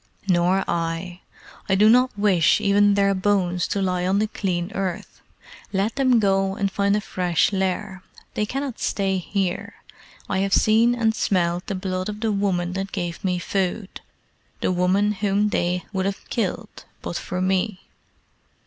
"Nor I. I do not wish even their bones to lie on the clean earth. Let them go and find a fresh lair. They cannot stay here. I have seen and smelled the blood of the woman that gave me food the woman whom they would have killed but for me.